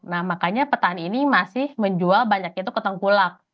nah makanya petani ini masih menjual banyaknya itu ke tengkulak